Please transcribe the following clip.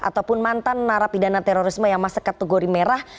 ataupun mantan narapidana terorisme yang masuk kategori merah